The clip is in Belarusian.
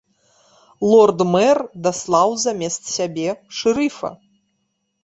Лорд-мэр даслаў замест сябе шэрыфа.